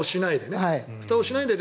ふたをしないでね。